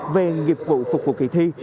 về nghiệp vụ phục vụ kỳ thi